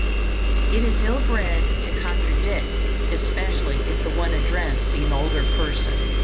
It is ill bred to contradict, especially if the one addressed be an older person.